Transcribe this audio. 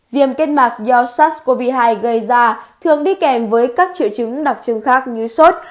viêm kết mạc do sars cov hai gây ra thường đi kèm với các triệu chứng đặc trưng khác như sốt